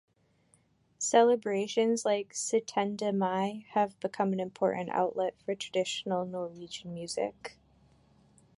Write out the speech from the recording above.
Celebrations like Syttende Mai have become an important outlet for traditional Norwegian music.